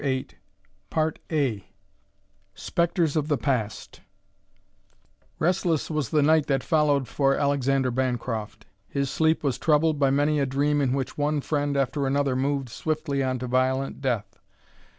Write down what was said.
CHAPTER VIII SPECTRES OF THE PAST Restless was the night that followed for Alexander Bancroft; his sleep was troubled by many a dream in which one friend after another moved swiftly on to violent death.